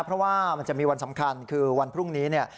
เพราะว่ามันจะมีวันสำคัญคือวันพรุ่งนี้เนี่ย